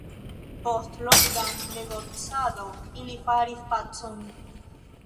Post longa negocado ili faris pacon.